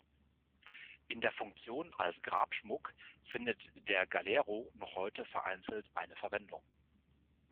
In der Funktion als Grabschmuck findet der Galero noch heute vereinzelt eine Verwendung.